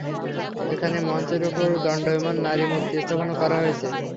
এখানে মঞ্চের ওপর দণ্ডায়মান নারী মূর্তি স্থাপন করা হয়েছে।